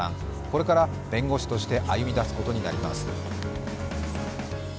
これから弁護士として歩み出すことになります。